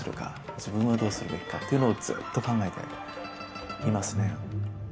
自分はどうするべきか？というのをずっと考えていますね。